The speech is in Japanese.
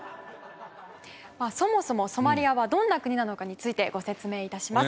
そもそもソマリアはどんな国なのかについてご説明致します。